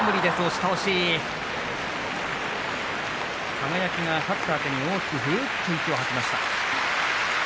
輝は勝ったときに大きく息を吐きました。